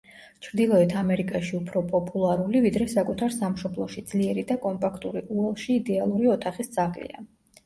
ჩრდილოეთ ამერიკაში უფრო პოპულარული, ვიდრე საკუთარ სამშობლოში, ძლიერი და კომპაქტური უელში იდეალური ოთახის ძაღლია.